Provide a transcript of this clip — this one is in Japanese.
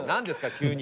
急に。